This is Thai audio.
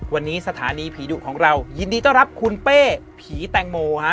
วันนี้สถานีผีดุของเรายินดีต้อนรับคุณเป้ผีแตงโมฮะ